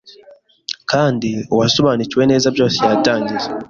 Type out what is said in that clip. Kandi uwasobanukiwe neza byose yatangiye